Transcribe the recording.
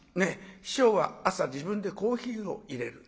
師匠は朝自分でコーヒーをいれる。